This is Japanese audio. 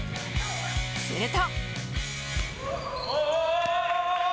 すると。